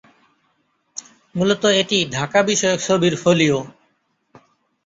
মূলত এটি ঢাকা বিষয়ক ছবির ফোলিয়ো।